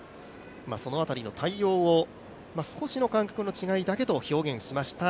その辺りの対応を少しの感覚の違いだけと表現しました